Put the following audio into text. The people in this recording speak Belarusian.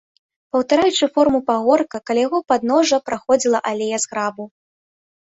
Паўтараючы форму пагорка, каля яго падножжа праходзіла алея з грабу.